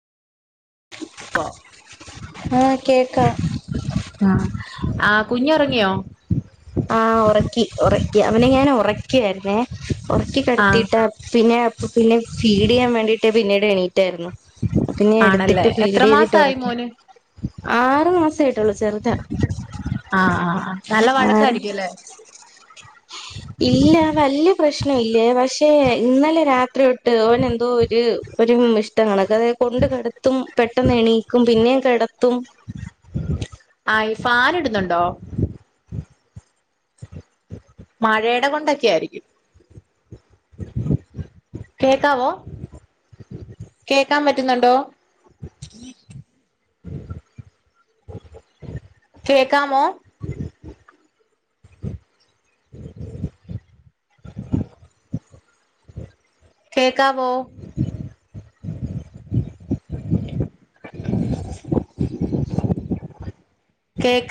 ആ ആഹ് കേക്കാം [inaudible] ആ ആ കുഞ്റങ്ങിയോ ആ ഉറക്കി ഉറക്കി അവനെ ഞാൻ ഉറക്കിയായിരുന്നെ ഉറക്കി ആഹ് കിടത്തീട്ടാ പിന്നെ പിന്നെ ഫീഡ് ചെയ്യാൻ വേണ്ടീട്ട് പിന്നീട് എണീ റ്റായിരുന്നു പിന്നെ ആണല്ലേ എടുത്തിട്ട് ഫീഡ് എത്ര ചെയ്തിട്ട് മാസായി ഒറക്കി മോന് ആറു മാസായിട്ടൊള്ളു ചെറുത ആറ് ഇല്ലേ ഇല്ല വല്യ പ്രശ്ന ഇല്ലേ പക്ഷെ ഇന്നലെ രാത്രി തൊ ട്ട് ഓന് എന്തോ ഒരു ഒരു മിഷ്ടം കാ അതെ കൊണ്ട് കെടത്തും പെട്ടെന്ന് എണീക്കും പിന്നെയും കെടത്തും ആ ഇ ഫാൻ ഇടുന്നുണ്ടോ മഴയുടെ കൊണ്ടൊക്കെയായിരിക്കും കേക്കാവോ കേക്കാൻ പറ്റുന്നുണ്ടോ കേക്കാമോ [inaudible] കെക്കാവോ [inaudible] കേക്ക്